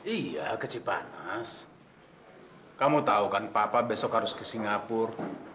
iya kecipanas kamu tau kan papa besok harus ke singapur